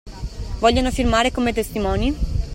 Vogliono firmare come testimoni?